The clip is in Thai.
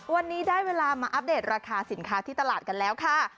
วันนี้ได้เวลามาอัปเดตราคาสินค้าที่ตลาดกันแล้วค่ะ